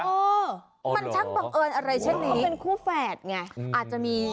เออมันช่างบังเอิญอะไรเช่นนี้เขาเป็นคู่แฝดไงอาจจะมี